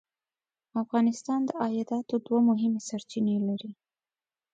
افغانستان د عایداتو دوه مهمې سرچینې لري.